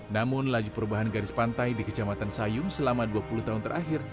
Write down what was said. namun laju perubahan garis pantai di kecamatan sayung selama dua puluh tahun terakhir